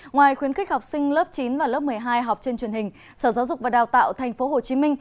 ngoài khuyến khích học sinh lớp chín và lớp một mươi hai học trên truyền hình sở giáo dục và đào tạo tp hcm